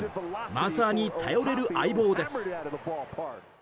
まさに頼れる相棒です。